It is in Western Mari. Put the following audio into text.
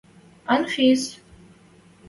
– Анфис!